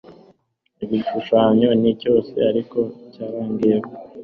Igishushanyo ni cyose ariko cyarangiye